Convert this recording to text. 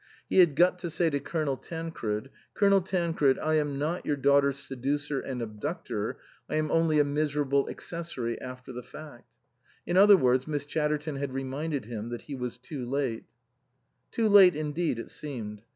He had got to say to Colonel Tancred, " Colonel Tancred, I am not your daughter's seducer and abductor ; I am only a miserable accessory after the fact." In other words, Miss Chatterton had reminded him that he was too late. Too late indeed, it seemed.